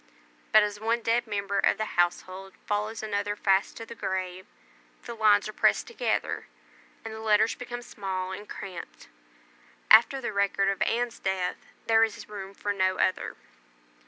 But as one dead member of the household follows another fast to the grave, the lines are pressed together, and the letters become small and cramped. After the record of Anne's death, there is room for no other.